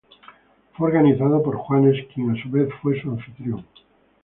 Fue organizado por Juanes, quien a su vez fue su anfitrión.